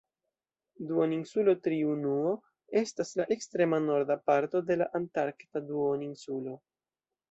Duoninsulo Triunuo estas la ekstrema norda parto de la Antarkta Duoninsulo.